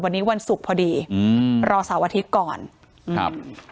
วันนี้วันศุกร์พอดีอืมรอเสาร์อาทิตย์ก่อนครับ